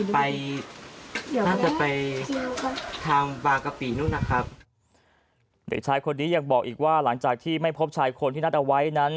น่าจะไปทางบางกะปินู้นนะครับเด็กชายคนนี้ยังบอกอีกว่าหลังจากที่ไม่พบชายคนที่นัดเอาไว้นั้น